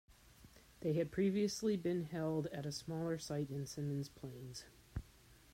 They had previously been held at a smaller site in Simmons plains.